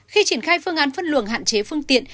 khi triển khai phương án phân luồng hạn chế phương tiện